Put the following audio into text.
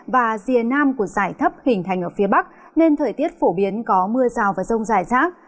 và rìa nam của giải thấp hình thành ở phía bắc nên thời tiết phổ biến có mưa rào và rông dài rác